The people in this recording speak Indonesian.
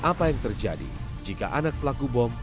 apa yang terjadi jika anak pelaku bom